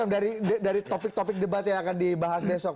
dari topik topik debat yang akan dibahas besok